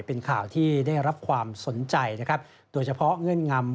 เป็นข่าวที่ได้รับความสนใจนะครับโดยเฉพาะเงื่อนงำ